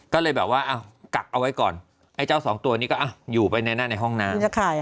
ก็เลยแบบว่ากักเอาไว้ก่อนไอ้เจ้าสองตัวนี้ก็อยู่ไปในห้องน้ำ